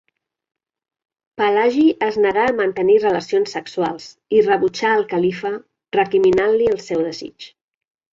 Pelagi es negà a mantenir relacions sexuals i rebutjà el califa, recriminant-li el seu desig.